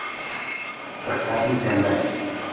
Diqqatni jamlash.